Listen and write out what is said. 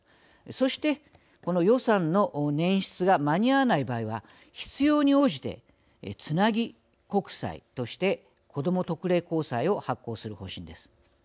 そしてこの予算の捻出が間に合わない場合には必要に応じてつなぎ国債としてこども特例公債を発行する方針です。